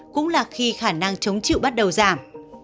cũng là khi khả năng chống chịu bắt đầu giảm